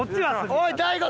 おい大悟！